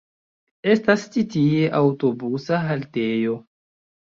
Estas ĉi tie aŭtobusa haltejo.